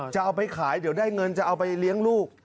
จะเอาไปขายเดี๋ยวได้เงินจะเอาไปเลี้ยงลูก